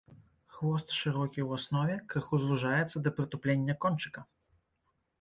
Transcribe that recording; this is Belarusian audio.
Хвост шырокі ў аснове, крыху звужаецца да прытуплення кончыка.